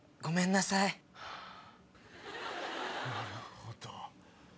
なるほど。